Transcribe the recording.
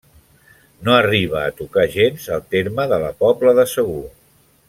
No arriba a tocar gens el terme de la Pobla de Segur.